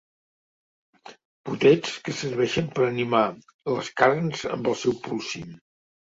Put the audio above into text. Potets que serveixen per animar les carns amb el seu polsim.